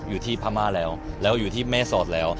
อยู่ที่พม่าแล้วแล้วอยู่ที่เมศอดแล้ว